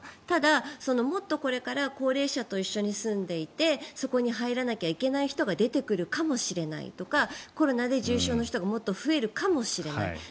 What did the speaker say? ただ、もっとこれから高齢者と一緒に住んでいてそこに入らなきゃいけない人が出てくるかもしれないとかコロナで重症の人がもっと増えるかもしれない。